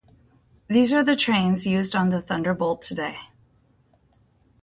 These are the trains used on the Thunderbolt today.